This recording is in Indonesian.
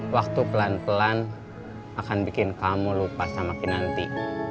waktu pelan pelan akan bikin kamu lupa sama kinanti